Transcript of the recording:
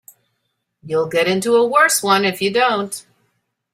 You'll get into a worse one if you don't.